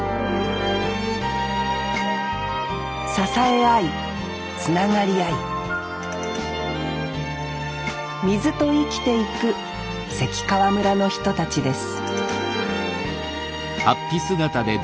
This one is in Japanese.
支え合いつながり合い水と生きていく関川村の人たちです